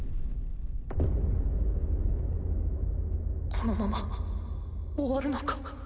このまま終わるのか？